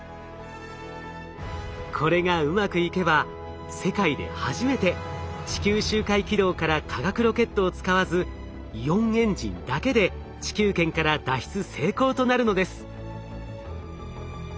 これがうまくいけば世界で初めて地球周回軌道から化学ロケットを使わずイオンエンジンだけで地球圏から脱出成功となるのです。